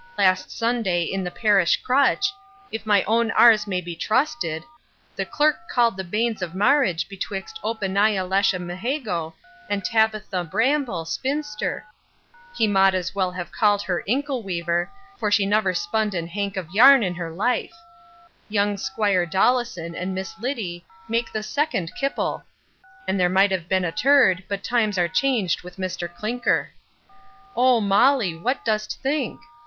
Last Sunday in the parish crutch, if my own ars may be trusted, the clerk called the banes of marridge betwixt Opaniah Lashmeheygo, and Tapitha Brample, spinster; he mought as well have called her inkle weaver, for she never spun and hank of yarn in her life Young 'squire Dollison and Miss Liddy make the second kipple; and there might have been a turd, but times are changed with Mr Clinker O Molly! what do'st think?